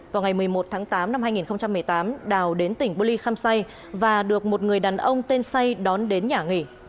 vào ngày một mươi một tháng tám năm hai nghìn một mươi tám đào đến tỉnh bô ly khăm say và được một người đàn ông tên say đón đến nhà nghỉ